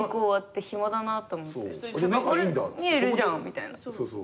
美優いるじゃんみたいな。